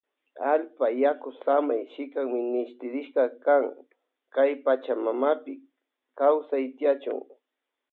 Allpa yaku samay shikan minishtirishka kaya pacha mamapi kawsay tiyachun.